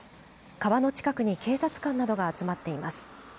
川の近くに警察官などが集まっています。